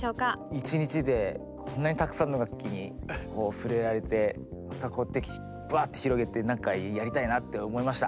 １日でこんなにたくさんの楽器に触れられてまたこうやってバッて広げてなんかやりたいなって思いました。